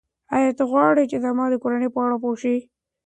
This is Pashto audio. ایا ته غواړې چې زما د کورنۍ په اړه پوه شې؟